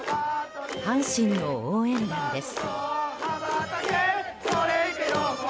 阪神の応援団です。